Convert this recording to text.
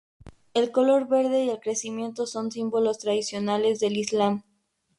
El color verde y el creciente son símbolos tradicionales del Islam.